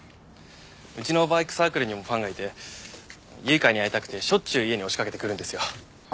うちのバイクサークルにもファンがいて唯香に会いたくてしょっちゅう家に押しかけてくるんですよ。